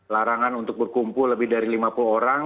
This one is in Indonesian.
larangan untuk berkumpul lebih dari lima puluh orang